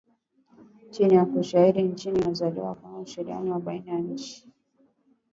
Chini ya ushirika wa nchi za maziwa makuu na ushirikiano wa baina ya nchi.